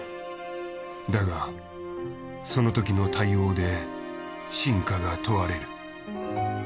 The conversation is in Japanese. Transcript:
だがそのときの対応で真価が問われる。